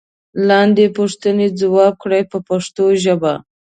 لاندې پوښتنې ځواب کړئ په پښتو ژبه.